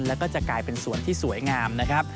แล้วก็จะกลายเป็นสวนที่สวยงามนะครับ